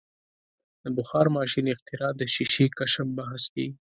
د بخار ماشین اختراع د شیشې کشف بحث کیږي.